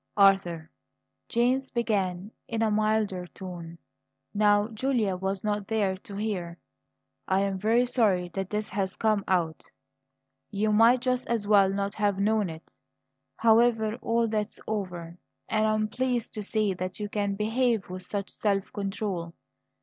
"Arthur," James began in a milder tone, now Julia was not there to hear, "I am very sorry that this has come out. You might just as well not have known it. However, all that's over; and I am pleased to see that you can behave with such self control.